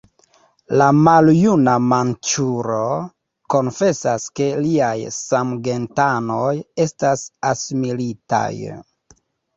La maljuna manĉuro konfesas ke liaj samgentanoj estas asimilitaj.